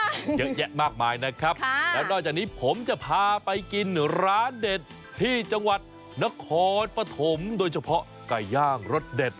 เยอะแยะมากมายนะครับแล้วนอกจากนี้ผมจะพาไปกินร้านเด็ดที่จังหวัดนครปฐมโดยเฉพาะไก่ย่างรสเด็ด